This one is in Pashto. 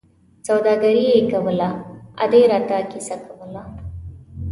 سوداګري یې کوله، ادې را ته کیسه کوله.